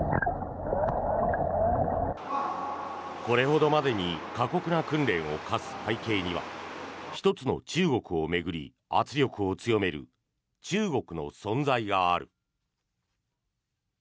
これほどまでに過酷な訓練を課す背景には一つの中国を巡り圧力を強める中国の存在がある。